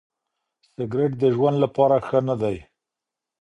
سګریټ د ژوند لپاره ښه نه دی.